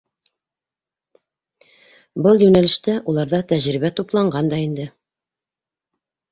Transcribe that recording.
Был йүнәлештә уларҙа тәжрибә тупланған да инде.